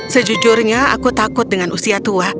sejujurnya aku takut dengan usia tua